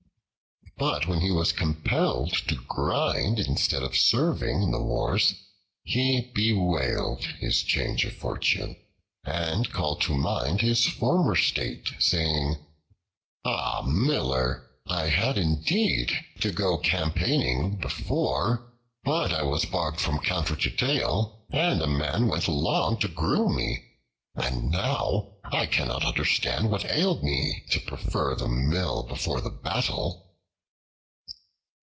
But when he was compelled to grind instead of serving in the wars, he bewailed his change of fortune and called to mind his former state, saying, "Ah! Miller, I had indeed to go campaigning before, but I was barbed from counter to tail, and a man went along to groom me; and now I cannot understand what ailed me to prefer the mill before the battle."